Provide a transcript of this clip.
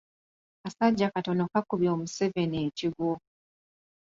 Kasajja katono kakubye omuseveni ekigwo.